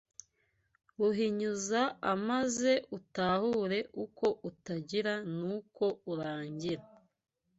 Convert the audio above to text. Ruhinyuza maze utahure uko utangira n’uko urangira